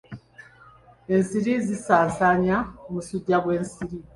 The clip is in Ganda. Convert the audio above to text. Ensiri zisaasaanya omusujja gw'ensiri.